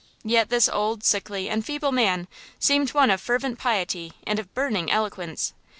Yet this old, sickly and feeble man seemed one of fervent piety and of burning eloquence.